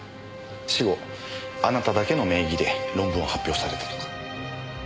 死後あなただけの名義で論文を発表されたとか。